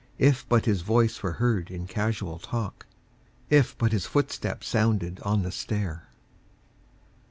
If but his voice were heard in casual talk. If but his footstep sounded on the stair!